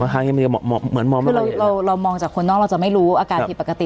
เหมือนมองคือเรามองจากคนนอกเราจะไม่รู้อาการผิดปกติ